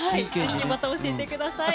また教えてください。